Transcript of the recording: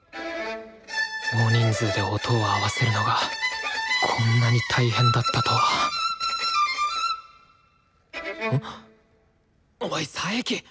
大人数で音を合わせるのがこんなに大変だったとはおい佐伯！